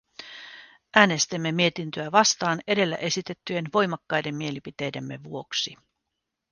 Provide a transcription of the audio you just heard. Äänestimme mietintöä vastaan edellä esitettyjen voimakkaiden mielipiteidemme vuoksi.